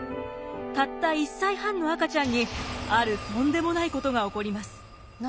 たった１歳半の赤ちゃんにあるとんでもないことが起こります。